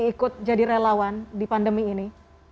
mas indi ikut jadi relawan di pandemi ini